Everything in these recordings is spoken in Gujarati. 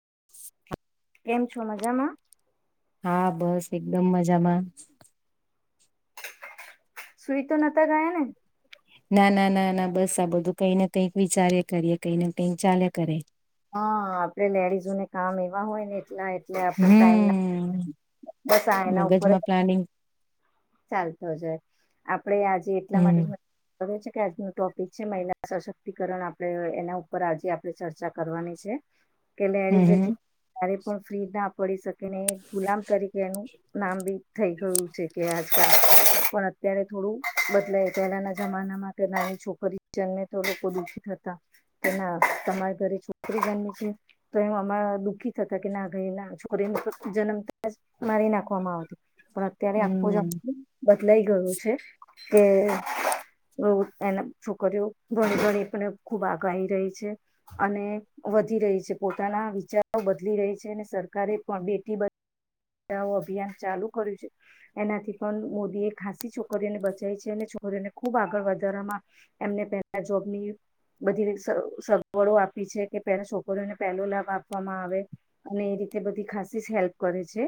[inaudible] કેમ છો મજામાં? હા બસ એકદમ મજામાં સુઈ તો નતા ગયાને? ના ના ના ના બસ આ બધું કઈ ને કઈક વિચાર કરીએ કઈ ને કઈક ચાલે કરે. હહ આપણે લેડીઝોને કામ એવા હોય ને એટલા એટલે આપને ટાઈમ ના હમ બસ આ એના ઉપર જ મગજમાં પ્લાનિંગ ચાલતો જ હોય આપ આપણેે આજે એટલા માટે હમ જ છે કે આજનું ટોપિક છે મહિલા સશક્તિકરણ આપણે એના ઉપર આજે આપણે ચર્ચા કરવાની છે. કે લેડીઝ હમ એટલી [inaudible] પણ ફ્રી ના પડી શક કે ને ગુલામ તરીકે એનું નામ બી થઈ ગયું છે. કે આ ચા પણ અત્યારે થોડું બદલાય પહેલાના જમાનામાં કે નાની છોકરી જન્મે તો લોકો દુઃખી થતા કે ના તમારા ઘરે છોકરી જન્મે છી તો એ અ દુઃખી થતા કે ના ઘ ના છોકરી ન જન્મતા જ મારી નાખવામાં આવતી. પણ અત્યારે હમ પૂજા [inaudible] બદલાઈ ગયો છે કે એના છોકરીઓ ઘણી ગણી પણ ખૂબ આગાહી રહી છે. અને વધી રહી છે પોતાના વિચારો બદલી રહી છે ને સરકારે પણ બેટી બચ ચાવો અભિયાન ચાલુ કર્યું છે. એનાથી પણ મોદી એ ખાસી છોકરીઓને બચાઈ છે. અને છોકરીઓને ખુબ આગળ વધારવામાં એમને પહેલા જોબની બધી સગવડો આપી છે. કે પહેલા છોકરીઓને પહેલો લાભ આપવામાં આવે અને એ રીતે બધી ખાસી હેલ્પ કરે છે.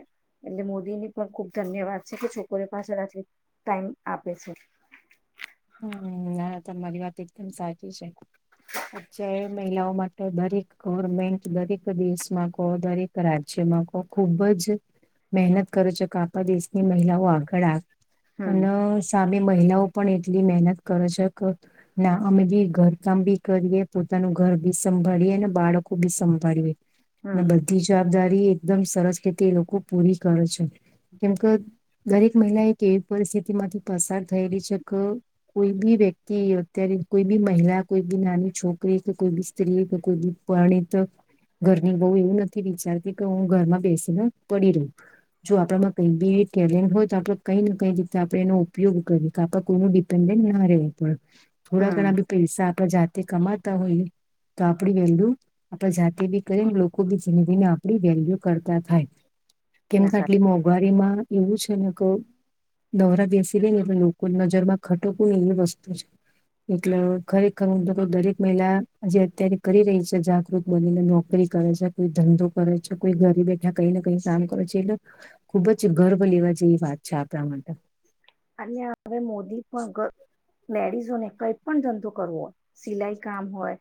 એટલે મોદીની પણ ખુબ ધન્યવાદ છે કે છોકરીઓ પાછળ આટલી ટાઈમ આપે છે. હમ ના તમારી વાત એકદમ સાચી છે. અત્યારે મહિલાઓ માટે દરેક ગવર્મેન્ટ દરેક દેશમાં કો દરેક રાજ્યમાં કો ખુબ જ મહેનત કર છે કા દેશની મહિલાઓ આગળ આવે હમ અને સા ની મહિલાઓ પણ એટ એટલી મહેનત કરે છે. ક ના અમે બી ઘરકામ બી કરીએ, પોતાનું ઘર બી સંભાળીએ, ને બાળકો બી સંભાળીએ ને હમ બધી જવાબદારી એકદમ સરસ રીતે એ લોકો પૂરી કર છે. કેમક દરેક મહિલા એક એવી પરિસ્થિતિમાંથી પસાર થયેલી છે ક કોઈ બી વ્યક્તિ અત્યારે કોઈ બી મહિલા કોઈ બી નાની છોકરી કે કોઈ બી સ્ત્રી કે કોઈ બી પરણિત ઘરની વહુ એવું નથી વિચારતી કે હું ઘરમાં બેસીને પડી રહું. જો આપણામાં કઈ બી ટેલેન્ટ હોય તો આપડે કઈ ને કઈ રીતે આપણે એનો ઉપયોગ કરીએ કે આપ કોઈ [unintelligible] થોડા હમ ઘણા ભી પૈસા આપ જા તે કમાતા હોય તો આપણી વેલ્યુ આપણે જાતે બી કરી લોકો બી ધીમે ધીમે આપણી વેલ્યુ કરતા થાય. કેમ ના કે સા આટલી મોંઘવારીમાં એવું છે ને દોરા બીસી લે ને એ લોકોકુલ નજર બા ખટોકું એવી વસ્તુ છે એટલે ખરેખર મુ તો દરેક મહિલા જેજ અત્યારે કરી રહી છે જાગૃત બનીને નોકરી કરે છે કોઈ ધંધો કરે છે કોઈ ઘરે બેઠા કઈ ને કઈ કામ કરે છે એટલે ખુબ જ ગર્વ લેવા જેવી વાત છે આપણા માટે. અને હવે મોદી દી પણ લેડીઝોને કઈ પણ ધંધો કરવો હોય સિલાઈ કામ હોય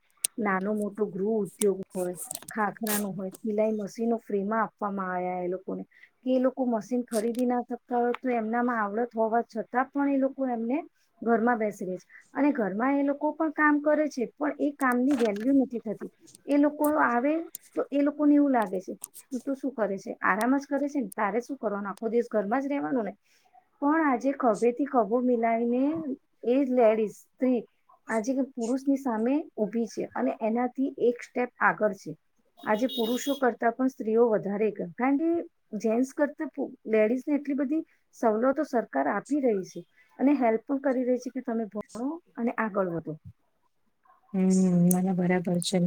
નાનું મોટું ગૃુહ ઉગ હોય ખાખરા નું હોય સિલાઈ મશીન ફ્રી માં આપવામાં આવ્યા એ લોકોને કે લોકો કો મશન ખરીદી ના થ તો તું એમના માં આવડત હોવા છતાં પણ એ લોકો એમને ઘરમાં બેસી રહેે છે અને ઘરમાં એ લોકો પણ કામ કરે છે પણ એ કામની વેલ્યુ નથી થતી એ લોકો આવે તો એ લોકોને એવું લાગે છે તું તો શું કરે છે આરામ જ કરે છે ને તારે શું કરવાનું આખો દેશ ઘરમાં જ રહેેવાનો ને પણ આજે ખભેથી ખભો મિલાવીને એ લેડીઝ સ્ત્રી આજે પુરુષની સામે ઉભી છે અને એનાથી એક સ્ટેપ આગળ છે. આજે પુરુષો કરતા સ્ત્રીઓ વધ કારણ કે જેસ કરતા લેડીઝને એટલી બધી સવલતો સરકાર ી રહી છે અને હેલ્પ કરી રહી છે. કે તમે ભણો અને આગળ વધો. હમ મને બરાબર છે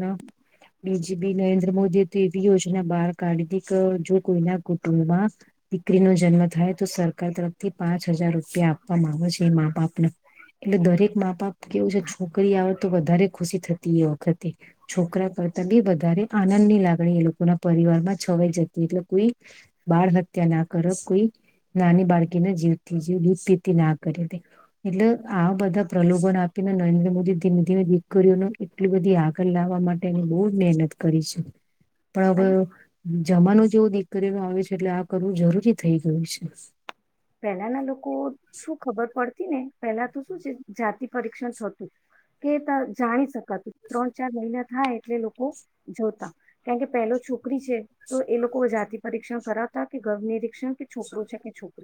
બીજી બી નરેન્દ્ર મોદીએ તો એવી યોજના બહાર કાઢી હતીી કે જો કોઈના કુટુંબમાં દીકરી નો જન્મ થાય તો સરકાર તરફથી પાંચ હજાર રૂપિયા અમા છે મા બાપનું એટલે દરેક મા બાપ કેવું છે છોકરી આવે વધારે ખુશી થતી એ વખત. છોકરા કરતા બી વધારે આનંદ ની લાગણી એ લોકો ના પરિવાર માં છવાઈ જતી એટલે કોઈ બાળ હત્યા ના કર કોઈ નાની બાળકીને જીવથી દીીતી ના કરીે એટલે આ બધા પ્રલોભન આપીને નરેન્દ્ર મોદી ધીમે ધીમે દીકરીઓ ન એટલી બધી આગળ લાવવા માટે બહુ જ મહેનત કરીશું. પણ હવે અને જમાનું જ જેવ દીકરીમાં આવે છે એટલે આ કરવું જરૂરી થઈ ગયું છે. પેલાના લોકો શું ખબર પડતી ને પહેલા તો શું છે જાતિ પરીક્ષણ થતું કે જાણી શક ત્રણ ચાર મહિના હા એટલે લોકો જોતા કારણ કે પેલો છોકરી છે તો એ લોકો જાતી પરીક્ષા કરા ત કે ઘર્ નિરીક્ષણ છોકરો છે છોક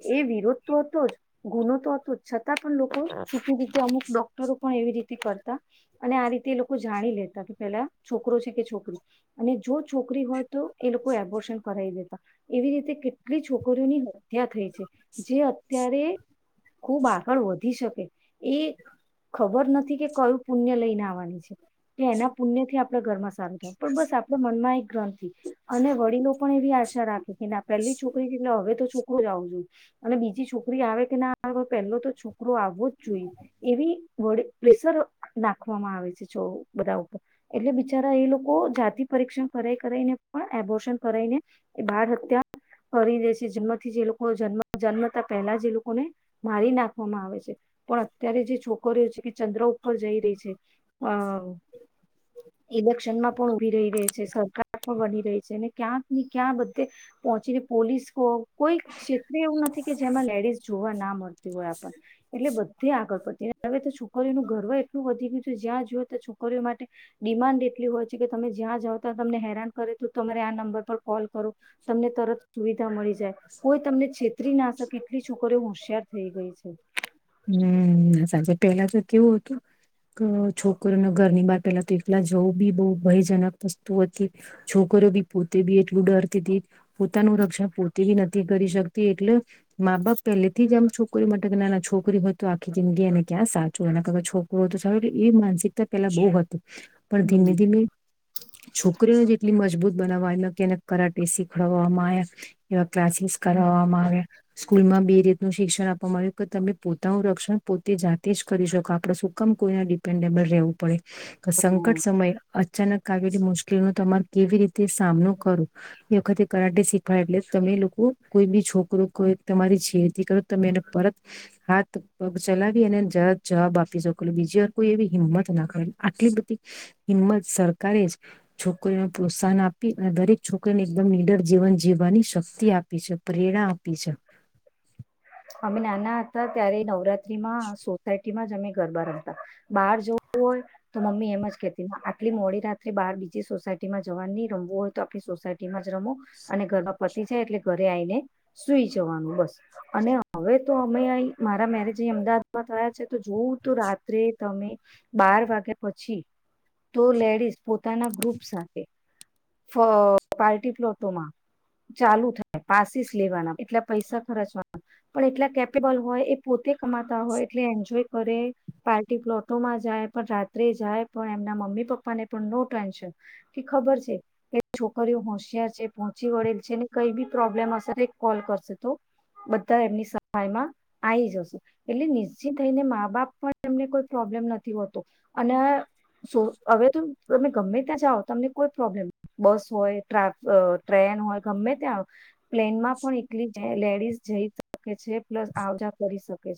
એ વીરો હતો જ ગુનો તો હતો જ છતાં પણ લોકો છૂટું ખૂટું અમુક ડોક્ટરો પણ એવી રીતે કરતા અને આ રીતે એ લોકો જાણી લેતા કે પેલા છોકરો છે કે છોકરી અને જો છોકરી હોય તો એ લોકો એબોર્શન કરાવી લેતા એવી રીતે કેટલી છોકરીઓની હોય થઈ છે જે અત્યારે ખુબ આગળ વધી શકે એ ખબર નથી કે કયું પુણ્ય લઈને આવવાની છે કે એના પુણ્યથી આપણે ઘરમાં સારું થય પણ બસ આપણે મનમાં એક ગ્રંથિથી અને વડીલો પણ એવી આશા રાખે કે ના પહેલી છોકરી એટલે હવે તો છોકરી અને બીજી છોકરી આવે કે ના આવે પહેલો તો છોકરો આવવો જ જોઈએ એવી વડ પ્રેશર નાખવામાં આવે છે બધા ઉપર એટલે બિચારા એ લોકો જાતિ પરીક્ષણ કરાય કરાઈને પણ એબોર્શન કરાઈને એ બાળ હત્યા કરી દે છે જેમ જે જન્મતા પહેલા જ એ લોકોને મારી નાખવામાં આવે છે પણ અત્યારે જે છોકરીઓ છે કે ચંદ્ર ઉપર જઈ રહી છે અ ઇલેક્શનમાં પણ ઉભી રહી રહી છે સરકાર પણ બની રહી છે અને ક્યાંક ને ક્યાં બધે પહોંચીને પોલીસ કોઈ ક્ષેત્રે એવું નથી કે જેમાં લેડીસ જોવા ના મળતી હોય આપ એટલે બધી આગળ પ ત હવે તો છોકરીઓનુંું ગર્વ એટલું વધી ગયું છે જ્યાં જોય તો છોક માટે ડિમાન્ડ એટલી હોય છે કે તમે જ્યાં જઓ ત તમને હેરાન કરે તો તમારે આ નંબર પર કોલ કરો તમને તરત સુવિધા મળી જાય કોઈ તમને છે કત્રી નાશક એટલી છોકરીઓ હોશિયાર થઇ ગઈ છે હમ સાચે પહેલા તો કેવું હતું છોકરોના ઘરની બહાર પેલા તો એકલા જવું બી બહ ભયજનક વસ્તુ હતી છોકરો બી પોતે બી એટલું ડરતી હતી પોતાનું રક્ષણ પૂરતી નથી કરી શકતી એટલે મા બાપ પહેલેથી જ આમ છોકરી માટે નાના છોકરી છોકરી હોય તો આખી જિંદગી એને ક્યાં સાચું એને ક છોકરું હો તો સારું એવી માનસિકતા પેલા બહુ હતી પણ ધીમે હમ ધીમે છોકરીઓને જેટલી મજબૂત બનાવવા એલે કેને કરાટે શીખડવામાં આવ્યા એવા ક્લાસીસ કરવામાં આવે સ્કૂલમાં બે રીતનું શિક્ષણવાવામાં આવ્યું કે તમને પોતાનું રક્ષણ પોતે જાતે જ કરી શકો આપડ સુકમ કોઈને ડિપેન્ડેબલ રહેવું પડે તો હમ સંકટ સમય અચાનક કાવલી મુશ્કેલી ન તમાર કેવી રીતે સામનો કરો એ વખતે કરાટે શીખવાડ એટલે તમે લોકો કોઈ બી છોકરો કોઈ તમારી છેડથી કરો તમે એને પરત હાથ પગ ચલાવી અને જ જવાબ આપી છેક બીજી વાર કોઈ એવી હિંમત ના કરેલી આટલી બધી હિંમત સરકારે જ છોકરીને પ્રોત્સાહન આપી અને દરેક છોકરીને એકદમ નિડર જીવન જીવવાની શક્તિ આપી છે પ્રેરણા આપી છે અમે નાના હતા ત્યારે નવરાત્ર માં સોતા ક જમે ગરબા રમતા બહાર જવું હોય તો મમ્મી એમ જ કતી આટલી મોડી રાત્રે બાર બીજી સોસાયટી માં જવાનું નહી રમવું હોય તો આપણી સોસાયટીમાં જ રમો અને ઘરમાં પતિ જાય એટલે ઘરે આવીઈને સુઈ જવાનું બસ અને હવે તો અમે અહી મારા મેરેજ અહી અમદાવાદમાં થયા છે તો જોવું તોું રાત્રે તમે બાર વાગ્યા પછી તો લેડીસ પોતાના ગ્રુપ સાથે પાર્ટી પ્લોટોમાં ચાલુ થાય પાસીસ લેવાના એટલા પૈસા ખર્ચવાના પણ એટલા કેપેબલ હોય એ પોતે કમાતા હોય એટલે એન્જોય કરે પાર્ટી પ્લોટોમાં જાય પણ રાત્રે જાય પણ એમના મમ્મી પપ્પાને પણ નો ટેન્શન કે ખબર છે કે છોકરીઓ હોશિયાર છે પહોંચી વળેલ છે ને કઈ બી પ્રોબ્લેમ હશે તો કોલ કરશે તો બ એમની સહાયમાં આવી જશે એટલે નિશ્ચિત થઈને મા બાપ પણ એમને કોઈ પ્રોબ્લેમ નથી હોતો અને હવે તો તમે ગમે ત્યાં જાઓ તમને કોઈ પ્રોબ્લેમ બસ હોય ટ્રા ટ્રેન હોય ગમે ત્યાં પ્લેનમાં પણ એટલી જ લેડીઝ જઈ તો છે પ્લસ આવજ કરી શકે છે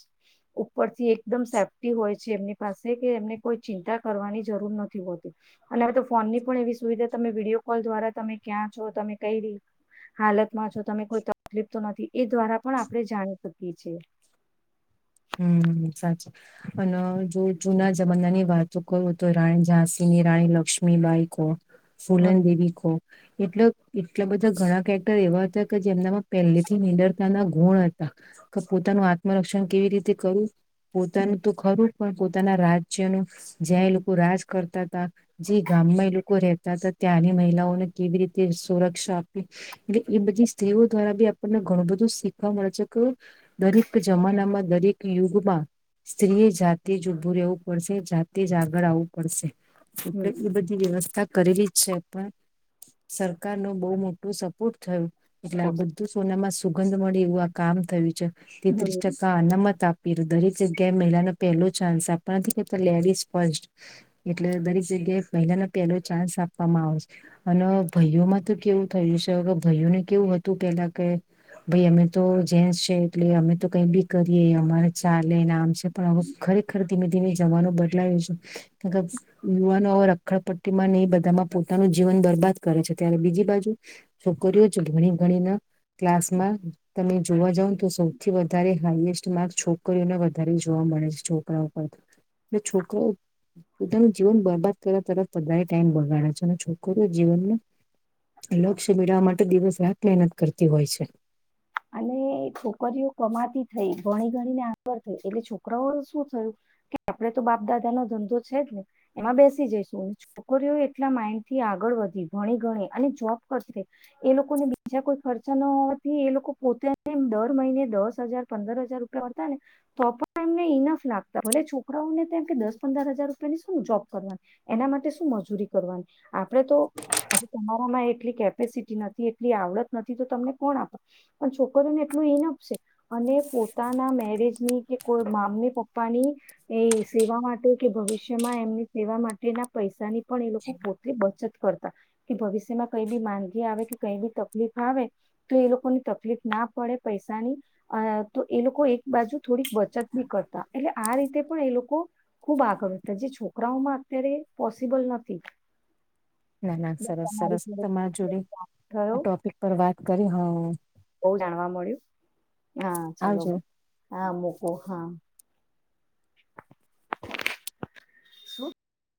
ઉપરથી એક એકદમ સેફ્ટી હોય છે એમની પાસે કે એમને કોઈ ચિંતા કરવાની જરૂર નથી હોતી અને હ તો ફોન ની પણ એવી સુવિધા તમે વિડીયો કોલ દ્વારા તમે ક્યાં છો તમે કઈ હાલત માં છો તમે કોઈ તકલીફ તો નથી એ દ્વારા આપણે જાણી બાકી છે હમ સાચી અને જો જુના જમાના ની વાતો કરું તો રાણી ઝંસીની રાણી લક્ષ્મીબાઈ કોણ ફૂલન હમ દેવી ક એટલે એટલા બધા ઘણા કેરેક્ટર એવા હતા કે જેમનામાં પહેલેથી નિડરતાના ગુણ હતા કે પોતાનું આત્મરક્ષણ કેવી રીતે તે કરું હમ પોતાનું તો ખરું પણ પોતાના રાજ્યનું જ્યાં એ લોકો રાજ કરતા જે ગામમાં એ લોકો રહેતા હતા ત્યાંની મહિલાઓને કેવી રીતે સુરક્ષા આપે એ બધી સ્ત્રીઓ દ્વારા બી આપણને ઘણું બધું શીખવા મળે છે કે દરેક જમાનામાં દરેક યુગમાં સ્ત્રીએ જાતે જ ઉભું રહેવું પડશે જાતે જ આગળ આવવું પડશે હમ એ બધી વ્યવસ્થા કર ર છે પણ સરકાર ન બહુ મોટો સપોર્ટ થયું એટલે આ બધું સોનામાં સુગંધ મળી એવું આ કામ થયું છે તેત્રીસ હમ ટકા નમત આપ પ દરેક જગ્યાએ મહિલાનો પહેલો ચાન્સ આપવા નથી કેતા લેરી સ્ ફસ્ટ એટલે દરેક જગ્યાએ મહિલાનો પહેલો ચાન્સ આપવામાં આવે છે અને ભાઈઓમાં તો કેવું થયું છે ભાઈઓને કેવું હતું પેલા કે ભાઈ અમે તો જેન્ટસ છે એટલે અમે તો કઈ બી કરીએ અમારે ચાલે ના આમ છે પણ હવે ખરેખર ધીમે ધીમે જવાનું બદલાય્યું છેું કે યુવાનો રખડપટ્ટી માં નહી બધામાં પોતાનું જીવન બરબાદ કરે છે ત્યારે બીજી બાજુ છોકરીઓ જ ઘણી ગણી ના ક્લાસમાં તમે જોવા જાવ ને તો સૌથી વધારે હાઈએસ્ટ માર્ક છોક છોકરીઓને વધારે જોવા મળે છે છોકરાઓ પર છોકરો પોતાનું જીવન બરબાદ કરવા તર વધારે ટાઈમ બગાડે છે અને છોકરો જીવનને લક્ષ્ય મેળવા માટે દિવસ રાત મહેનત કરતી હોય છે અને છોકરીઓ કમાતી થઈ ભણી ગણી ને આગળ થઈ એટલે છોકરાઓ શું થયું કે આપણે તો બાપ દાદા નો ધંધો છે જ ને એમાં બેસી જઈશું અને છોકરીઓ એટલા માઇન્ડ થી આગળ વધી ભણી ગણી અને જોબ કરતી એ લોકોને બીજા કોઈ ખર્ચા ન હોવાથી એ લોકો પોતે દર મહિને દસ હજાર પંદર હજાર રૂપિયા મળડતા ને તો પણ એમને ઈનફ લાગતા ભલે છોકરાઓને તેમમ કે દસ પંદર હજાર રૂપિયાની શું જોબ કરવાની એના માટે શું મજૂરી કરવાની આપડે તો હ તમારામાં એટલી કેપેસિટી નથી એટલી આવડત નથી તો તમને કોણ આપ પણ છોકરીઓને એટલું ઇનપ છે અને પોતાના મેરેજની કે કોઈ મામ્મી પપ્પા ની એ સેવા માટે કે ભવિષ્યમાં એમની સેવા માટેના પૈસાની પણ એ લોકો પોતેલી બચત કરતા કે ભવિષ્યમાં કઈ બી માંદગી આવે કે કઈ બી તકલીફ આવે તો એ લોકોની તકલીફ ના પડે પૈસાની અ તો એ લોકો એક બાજુ થોડીક બચત બી કરતા એટલે આ રીતે પણ એ લોકો ખૂબ આગળ વધતા જે છોકરાઓમાં અત્યારે પોસિબલ નથી ના ના બસ સરસ તમારી સરસ જોડે વાત તમારા જોડે કરીને આનંદ આ ટોપિક પર વાત કરી હ બહ જાણવા મળ્યું હા ચલો આવજો હા મોકો હા [unintelligible]